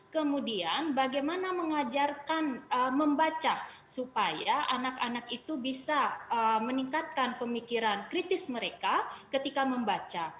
kemudian bagaimana mengajarkan membaca supaya anak anak itu bisa meningkatkan pemikiran kritis mereka ketika membaca